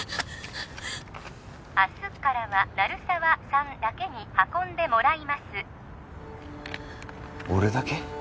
明日からは鳴沢さんだけに運んでもらいます俺だけ？